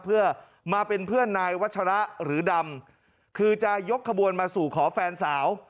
เพื่อมาเป็นเพื่อนนายวัชระหรือดำคือจะยกขบวนมาสู่ขอแฟนสาว